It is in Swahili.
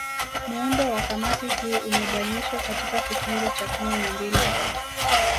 Muundo wa Kamati hii umebainishwa katika kifungu cha kumi na mbili